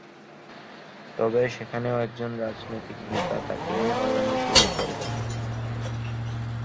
তবে, সেখানেও একজন রাজনৈতিক নেতা তাকে হয়রানি শুরু করে।